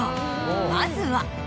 まずは。